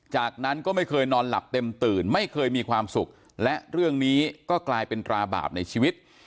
จากนั้นก็ไม่เคยนอนหลับเต็มตื่นไม่เคยมีความสุขและเรื่องนี้ก็กลายเป็นตราบาปในชีวิต